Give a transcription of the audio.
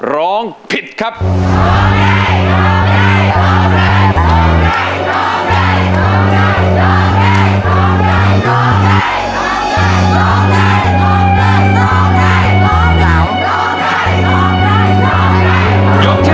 ล้อมได้